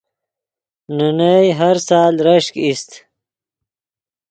نے نئے ہر سال رشک ایست